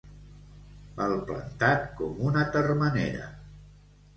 Palplantat com una termenera.